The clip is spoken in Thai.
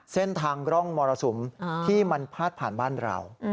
เส้นทางร่องมรสุมที่มันพาดผ่านบ้านเรา